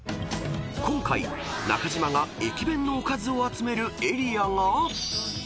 ［今回中島が駅弁のおかずを集めるエリアが］